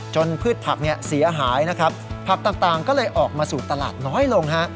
พืชผักเนี่ยเสียหายนะครับผักต่างก็เลยออกมาสู่ตลาดน้อยลงฮะ